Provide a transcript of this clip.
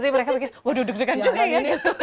mereka bikin waduh duduk juga kan juga ya